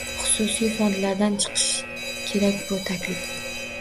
Xususiy fondlardan chiqishi kerak bu taklif.